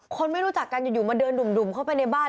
ไม่รู้จักกันอยู่มาเดินดุ่มเข้าไปในบ้าน